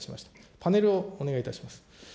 パネルをお願いいたします。